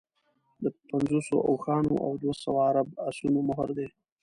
د پنځوسو اوښانو او دوه سوه عرب اسونو مهر دی.